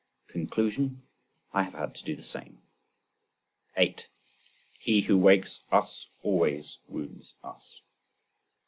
Conclusion?—I have had to do the same. 8. He who wakes us always wounds us.